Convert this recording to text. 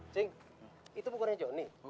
cing itu pukulnya jonny